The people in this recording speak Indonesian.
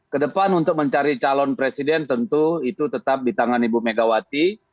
kedepan untuk mencari calon presiden tentu itu tetap di tangan ibu megawati